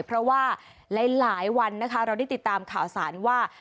เพราะว่าหลายวันนะคะเราได้ติดตามข่าวสารว่า